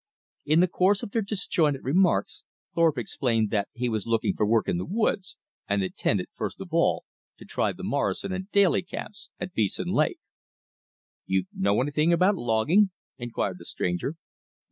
In the course of their disjointed remarks Thorpe explained that he was looking for work in the woods, and intended, first of all, to try the Morrison & Daly camps at Beeson Lake. "Know anything about logging?" inquired the stranger.